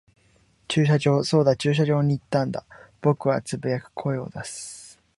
駐車場。そうだ、駐車場に行ったんだ。僕は呟く、声を出す。